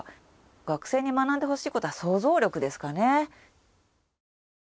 学生に学んでほしいことは想像力ですかね。